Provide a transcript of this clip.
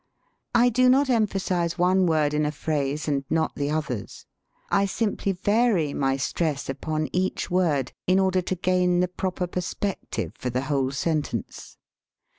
I do not emphasize one word in a phrase and not the others. I simply vary my stress upon each word, in order to gain the proper perspective for the whole sentence.